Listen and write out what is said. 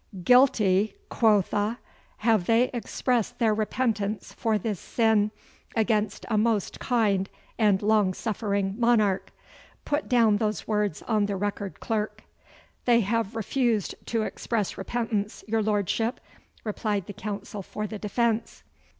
Guilty, quotha! Have they expressed their repentance for this sin against a most kind and long suffering monarch! Put down those words on the record, clerk!' 'They have refused to express repentance, your Lordship!' replied the counsel for the defence.